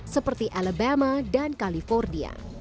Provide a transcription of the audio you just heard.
seperti alabama dan kalifornia